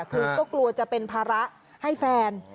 คือก็กลัวจะเป็นภาระให้แฟน